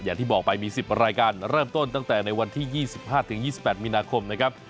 อย่างที่บอกไปมี๑๐รายการเริ่มต้นตั้งแต่ในวันที่๒๕๒๘มีนาคมนะครับ